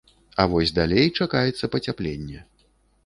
А вось далей чакаецца пацяпленне.